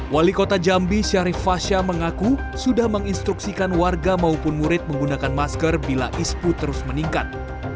wali kota jambi syarif fasha mengaku sudah menginstruksikan warga maupun murid menggunakan masker bila ispu terus meningkat